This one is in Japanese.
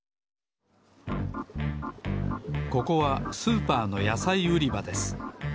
ここはスーパーのやさいうりばです。